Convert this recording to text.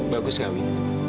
bagus gak wi